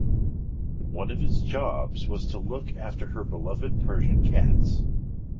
One of his jobs was to look after her beloved Persian cats.